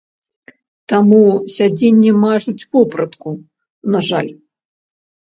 Таму сядзенні мажуць, вопратку, на жаль.